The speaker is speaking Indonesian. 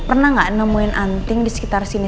pernah nggak nemuin anting di sekitar sini